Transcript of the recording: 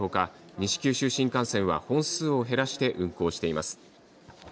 西九州新幹線は本数を減らして運行しています。